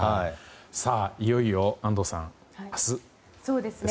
いよいよ安藤さん明日ですね。